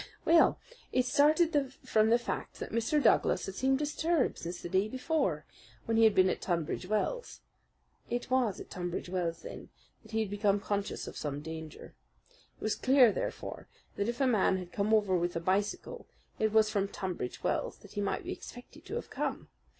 "Well, I started from the fact that Mr. Douglas had seemed disturbed since the day before, when he had been at Tunbridge Wells. It was at Tunbridge Wells then that he had become conscious of some danger. It was clear, therefore, that if a man had come over with a bicycle it was from Tunbridge Wells that he might be expected to have come.